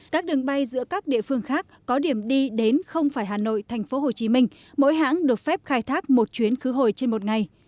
các đường bay giữa các địa phương khác có điểm đi đến không phải hà nội tp hcm mỗi hãng được phép khai thác một chuyến khứ hồi trên một ngày